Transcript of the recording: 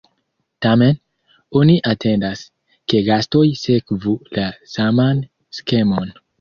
Tamen, oni atendas, ke gastoj sekvu la saman skemon.